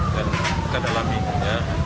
dan kita dalami ya